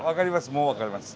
もう分かります。